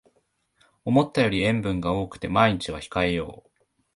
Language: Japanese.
思ったより塩分が多くて毎日は控えよう